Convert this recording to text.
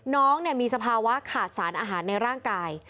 น้องมีสภาวะขาดสารอาหารในร่างกาย